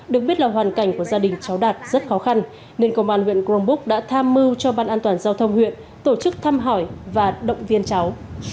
được biết là hoàn cảnh của gia đình cháu đạt rất khó khăn nên công an huyện crong búc đã tham mưu cho ban an toàn giao thông huyện tổ chức thăm hỏi và động viên cháu